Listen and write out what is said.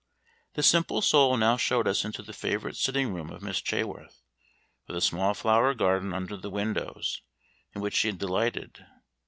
The simple soul now showed us into the favorite sitting room of Miss Chaworth, with a small flower garden under the windows, in which she had delighted.